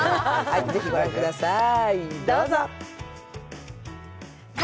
ぜひご覧ください。